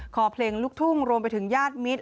คอเพลงลูกทุ่งรวมไปถึงญาติมิตร